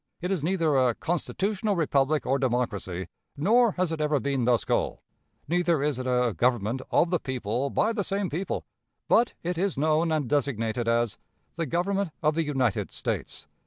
It is neither a "constitutional republic or democracy," nor has it ever been thus called. Neither is it a "government of the people by the same people"; but it is known and designated as "the Government of the United States."